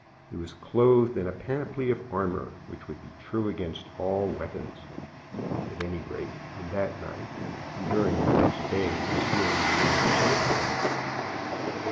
He was clothed in a panoply of armor which would be true against all weapons. At any rate, on that night and during the next day this feeling remained the same with him.